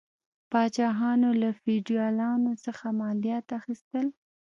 پاچاهانو له فیوډالانو څخه مالیات اخیستل.